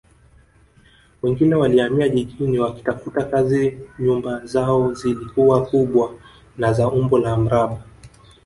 Wengine walihamia jijini wakitafuta kazi nyumba zao zilikuwa kubwa na za umbo la mraba